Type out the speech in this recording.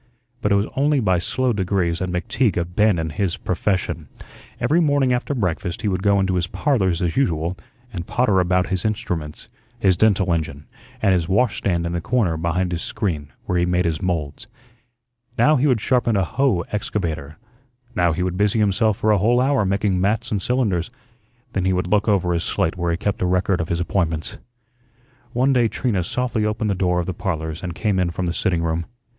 But it was only by slow degrees that McTeague abandoned his profession. Every morning after breakfast he would go into his "Parlors" as usual and potter about his instruments, his dental engine, and his washstand in the corner behind his screen where he made his moulds. Now he would sharpen a "hoe" excavator, now he would busy himself for a whole hour making "mats" and "cylinders." Then he would look over his slate where he kept a record of his appointments. One day Trina softly opened the door of the "Parlors" and came in from the sitting room.